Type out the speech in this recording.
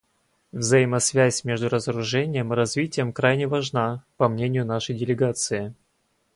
Взаимосвязь между разоружением и развитием крайне важна, по мнению нашей делегации.